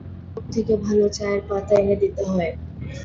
শহর থেকে ভালো চায়ের পাতা এনে দিতে হয়।